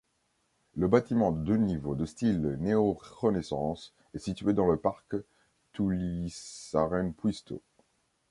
Le bâtiment de deux niveaux de style néo-Renaissance est situé dans le parc Tullisaarenpuisto.